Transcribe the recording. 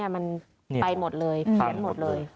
มันไปหมดเลยแผนหมดเลย